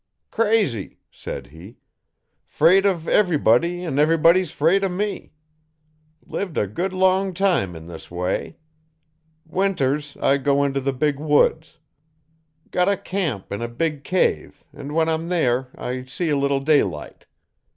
'Crazy,' said he; ''fraid uv everybody an' everybody's 'fraid o' me. Lived a good long time in this way. Winters I go into the big woods. Got a camp in a big cave an' when I'm there I see a little daylight.